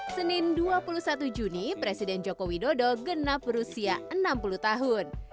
senin dua puluh satu juni presiden joko widodo genap berusia enam puluh tahun